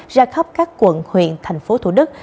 ra khắp các quận huyện thành phố thủ đức